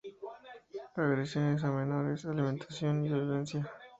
Agresiones a menores, Alimentación y Violencia.